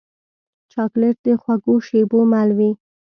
چاکلېټ د خوږو شېبو مل وي.